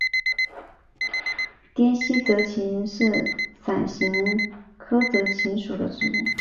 滇西泽芹是伞形科泽芹属的植物。